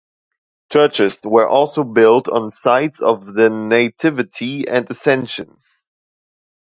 Churches were also built on the sites of the Nativity and Ascension.